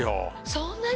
そんなに！